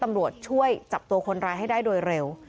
ตำรวจช่วยจับตัวคนร้ายให้ได้โดยเร็ว